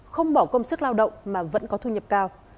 không bỏ công sức lao động mà vẫn có thu nhập cao